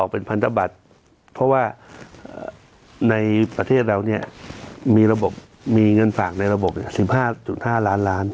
เพราะว่าในประเทศเราเนี่ยมีระบบมีเงินฝากในระบบ๑๕๕ล้านล้าน